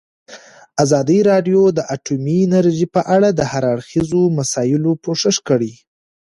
ازادي راډیو د اټومي انرژي په اړه د هر اړخیزو مسایلو پوښښ کړی.